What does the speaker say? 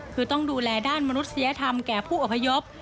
คือต้องดูแลด้านมนุษยธรรมแก่ผู้อพยพ